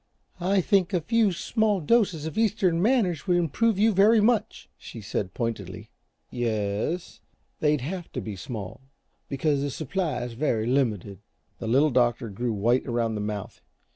"I think a few small doses of Eastern manners would improve you very much," she said, pointedly. "Y e s? They'd have to be small, because the supply is very limited." The Little Doctor grew white around the mouth.